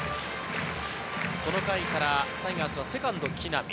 この回からタイガースはセカンド・木浪。